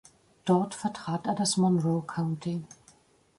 Dort vertrat er das Monroe County.